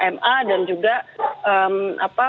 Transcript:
ma dan juga